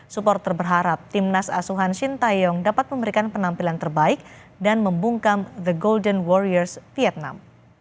supporter berharap timnas asuhan shin taeyong dapat memberikan penampilan terbaik dan membungkam the golden warriors vietnam